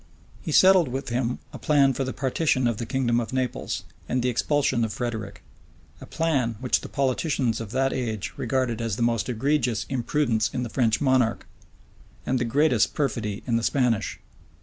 He settled with him a plan for the partition of the kingdom of Naples, and the expulsion of Frederick; a plan which the politicians of that, age regarded as the most egregious imprudence in the French monarch, and the greatest perfidy in the Spanish.